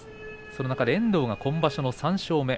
その中で、遠藤が今場所の３勝目。